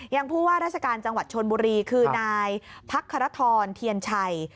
ผู้ว่าราชการจังหวัดชนบุรีคือนายพักครทรเทียนชัย